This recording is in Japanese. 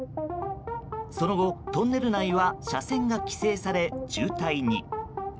その後、トンネル内は車線が規制され渋滞に。